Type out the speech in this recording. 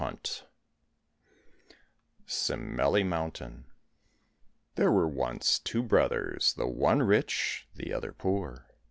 142 Simeli Mountain There were once two brothers, the one rich, the other poor.